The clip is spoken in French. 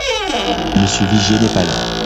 Monsieur Vigier n’est pas là